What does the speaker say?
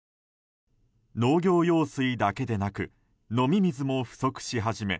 農業用水だけでなく飲み水も不足し始め